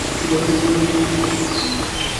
যখন তাকে মারধর করা হচ্ছিল তখন আপনি কোথায় ছিলেন?